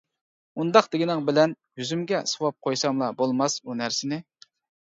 -ئۇنداق دېگىنىڭ بىلەن، يۈزۈمگە سۇۋاپ قويساملا بولماس ئۇ نەرسىنى.